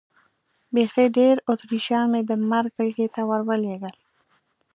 بیخي ډېر اتریشیان مې د مرګ غېږې ته ور ولېږل.